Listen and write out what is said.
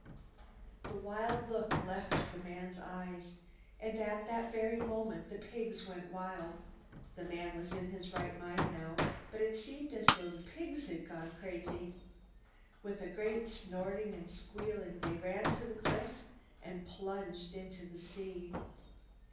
The wild look left the man's eyes. And at that very moment the pigs went wild. The man was in his right mind now, but it seemed as though the pigs had gone crazy. With a great snorting and squealing they ran to the cliff and plunged into the sea.